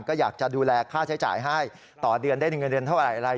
ก็อยากจะดูแลค่าใช้จ่ายให้ต่อเดือนได้เงินเดือนเท่าไหร่อะไร